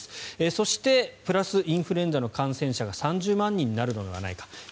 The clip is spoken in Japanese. そして、プラスインフルエンザの感染者が３０万人になるのではないか。